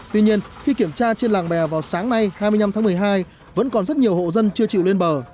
tuy nhiên khi kiểm tra trên làng bè vào sáng nay hai mươi năm tháng một mươi hai vẫn còn rất nhiều hộ dân chưa chịu lên bờ